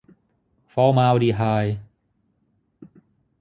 ฟอร์มาลดีไฮด์